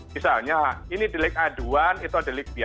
misalnya ini delik aduan itu delik biasa